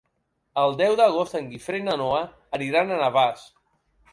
El deu d'agost en Guifré i na Noa aniran a Navàs.